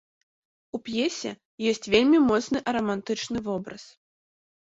У п'есе ёсць вельмі моцны араматычны вобраз.